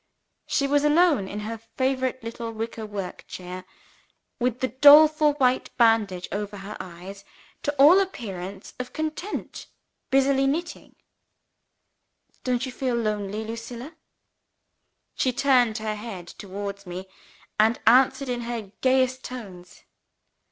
She was alone in her favorite little wicker work chair, with the doleful white bandage over her eyes to all appearance quite content, busily knitting! "Don't you feel lonely, Lucilla?" She turned her head towards me, and answered in her gayest tones.